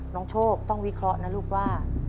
น้องโชคต้องวิเคราะห์นะลูกว่า